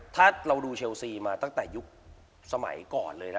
ถ้าเราดูเชลซีมาตั้งแต่ยุคสมัยก่อนเลยนะ